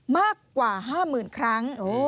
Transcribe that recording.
มากกว่า๕๐๐๐ครั้ง